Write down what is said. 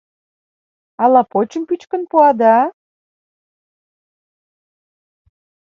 Ала почшым пӱчкын пуа да?